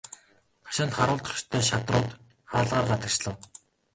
Хашаанд харуулдах ёстой шадрууд хаалгаар гадагшлав.